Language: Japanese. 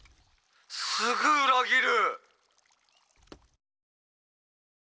「すぐ裏切る！」。